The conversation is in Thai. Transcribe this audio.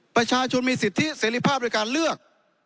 ประชาชนมีสิทธิเสรีภาพในการเลือก